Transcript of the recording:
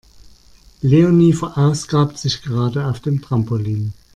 Leonie verausgabt sich gerade auf dem Trampolin.